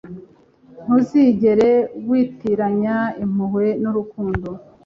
Ntuzigere witiranya impuhwe nurukundo